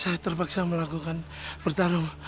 saya terpaksa melakukan pertarung